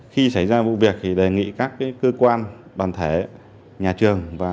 khi xảy ra vụ việc thì đề nghị các cơ quan đoàn thể nhà trường và